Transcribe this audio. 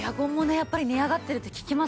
やっぱり値上がってるって聞きますからね。